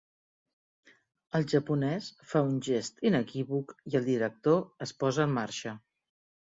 El japonès fa un gest inequívoc i el director es posa en marxa.